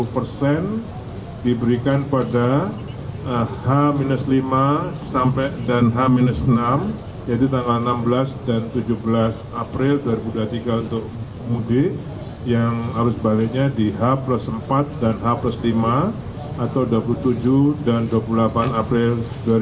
dua puluh persen diberikan pada h lima sampai dan h enam yaitu tanggal enam belas dan tujuh belas april dua ribu dua puluh tiga untuk mudik yang harus baliknya di h empat dan h lima atau dua puluh tujuh dan dua puluh delapan april dua ribu dua puluh